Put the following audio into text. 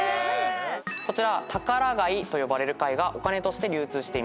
こちらタカラガイと呼ばれる貝がお金として流通していました。